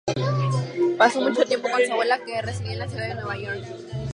Pasó mucho tiempo con su abuela, que residía en la ciudad de Nueva York.